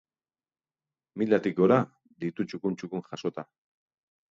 Milatik gora ditu txukun txukun jasota.